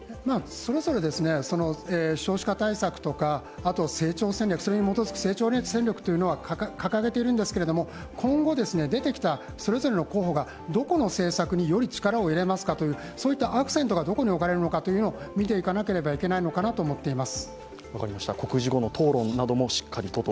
それぞれ、少子化対策とかそれに基づく成長戦略というのは掲げているんですけど、今後、出てきたそれぞれの候補がどこの政策に、より力を入れますかという、そういったアクセントがどこに置かれるのかというのを見ていかなければいけないのかなと思います。